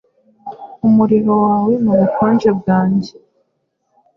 umuriro wawe nubukonje bwanjye